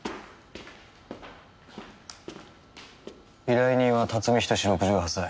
依頼人は辰巳仁志６８歳。